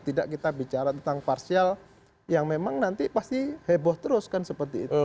tidak kita bicara tentang parsial yang memang nanti pasti heboh terus kan seperti itu